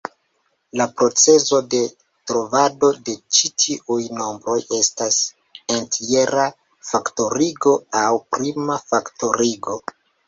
La procezo de trovado de ĉi tiuj nombroj estas entjera faktorigo, aŭ prima faktorigo.